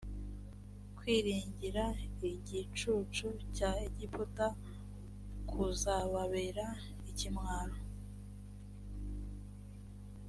kwiringira igicucu cya egiputa kuzababera ikimwaro